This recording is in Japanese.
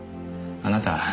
あなた！